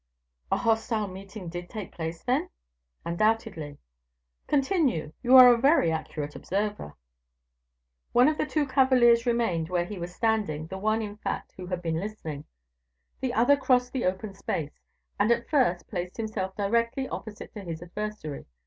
"A hostile meeting did take place then?" "Undoubtedly." "Continue; you are a very accurate observer." "One of the two cavaliers remained where he was standing, the one, in fact, who had been listening; the other crossed the open space, and at first placed himself directly opposite to his adversary.